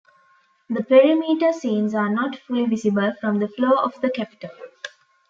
The perimeter scenes are not fully visible from the floor of the Capitol.